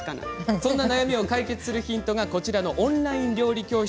その悩みを解決するヒントがこちらのオンライン料理教室。